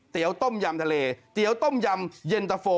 ต้มยำทะเลเตี๋ยวต้มยำเย็นตะโฟ